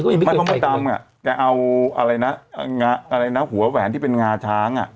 ไม่ต้องมดดำอ่ะแกเอาอะไรนะอะไรนะหัวแหวนที่เป็นงาช้างอ่ะ